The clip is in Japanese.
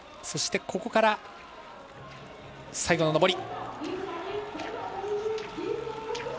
そしてここから最後の上り。